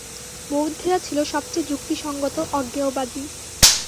বৌদ্ধেরা ছিল সবচেয়ে যুক্তিসঙ্গত অজ্ঞেয়বাদী।